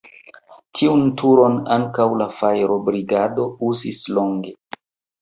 Tiun turon ankaŭ la fajrobrigado uzis longe.